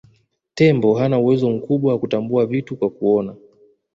Tembo hana uwezo mkubwa wa kutambua vitu kwa kuona